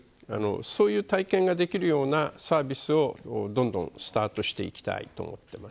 そういう体験ができるようなサービスをどんどんスタートしていきたいと思っています。